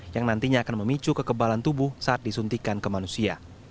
yang nantinya akan memicu kekebalan tubuh saat disuntikan ke manusia